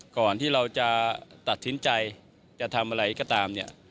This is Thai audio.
ก่อนที่เราจะตัดสินใจจะทำอะไรก็ตามเนี่ย